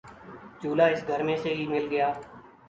چولہا اس گھر میں سے ہی مل گیا